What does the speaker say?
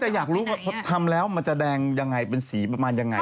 แต่อยากรู้ว่าทำแล้วมันจะแดงยังไงเป็นสีประมาณยังไง